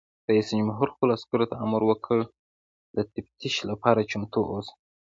رئیس جمهور خپلو عسکرو ته امر وکړ؛ د تفتیش لپاره چمتو اوسئ!